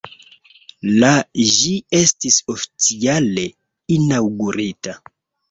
La ĝi estis oficiale inaŭgurita.